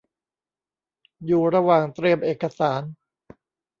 อยู่ระหว่างเตรียมเอกสาร